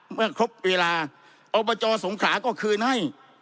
เมื่อครบเวลาอบจสงขลาก็คืนให้